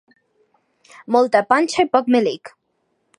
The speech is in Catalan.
Molta panxa i poc melic.